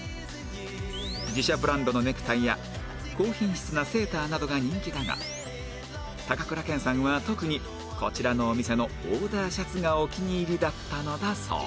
自社ブランドのネクタイや高品質なセーターなどが人気だが高倉健さんは特にこちらのお店のオーダーシャツがお気に入りだったのだそう